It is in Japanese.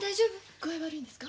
具合悪いんですか？